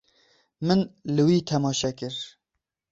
Min li wî temaşe kir.